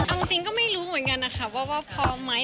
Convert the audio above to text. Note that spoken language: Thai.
เอาจริงก็ไม่รู้เหมือนกันนะคะว่าพร้อมไหม